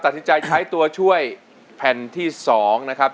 ใช้ตัวช่วยแผ่นที่๒นะครับ